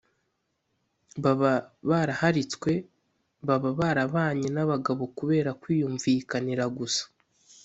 baba baraharitswe, baba barabanye n’abagabo kubera kwiyumvikanira gusa.